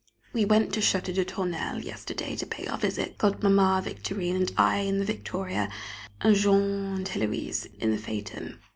We went to Château de Tournelle yesterday to pay our visit, Godmamma, Victorine, and I in the victoria, and Jean and Héloise in the phaeton.